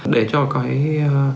để cho cái